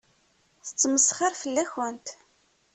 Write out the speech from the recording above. Tettmesxiṛ fell-akent.